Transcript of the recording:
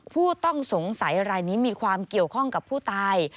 ผู้ต้องสงสัยรายนี้มีความเกี่ยวข้องกับผู้ตาย